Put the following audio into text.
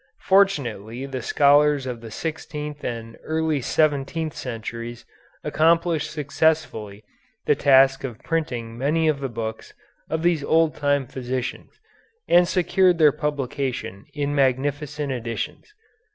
Fortunately the scholars of the sixteenth and early seventeenth centuries accomplished successfully the task of printing many of the books of these old time physicians and secured their publication in magnificent editions.